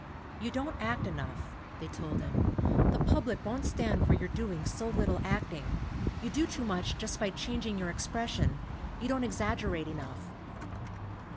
"You don't act enough," they told him. "The public won't stand for your doing so little acting. You do too much just by changing your expression ; you don't ex aggerate enough."